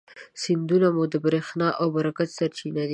سیندونه مو د برېښنا او برکت سرچینې دي.